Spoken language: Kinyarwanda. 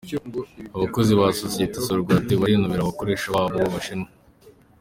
Abakozi ba sosiyete Sorwate barinubira abakoresha babo b’Abashinwa